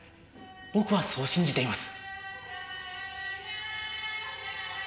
僕はそう信じています。